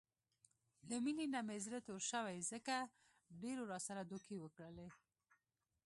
له مینې نه مې زړه تور شوی، ځکه ډېرو راسره دوکې وکړلې.